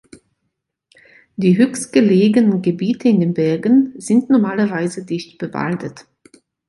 Die höchstgelegenen Gebiete in den Bergen sind normalerweise dicht bewaldet.